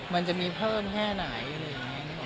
มันจะมีเพิ่มแค่ไหน